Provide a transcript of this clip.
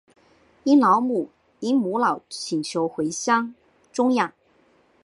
因母老请求回乡终养。